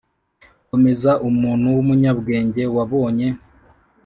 komeza umuntu w’umunyabwenge wa bonye